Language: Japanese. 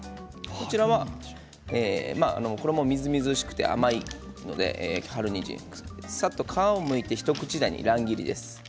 こちらは、これもみずみずしくて甘いので春にんじん、さっと皮をむいて一口大の乱切りです。